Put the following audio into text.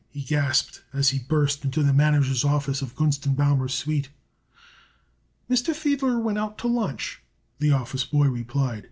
he gasped as he burst into the manager's office of Gunst & Baumer's suite. "Mr. Fiedler went out to lunch," the office boy replied.